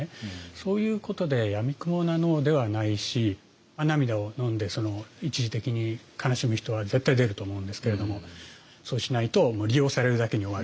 そういうことでやみくもなＮＯではないし涙をのんで一時的に悲しむ人は絶対出ると思うんですけれどもそうしないと利用されるだけに終わる。